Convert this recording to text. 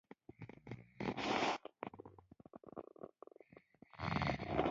افغان دولت سفارتونو ته په مکتوب کې ليکلي.